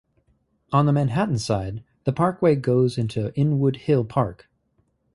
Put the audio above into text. On the Manhattan side, the parkway goes into Inwood Hill Park.